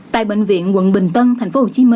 tại bệnh viện quận bình tân tp hcm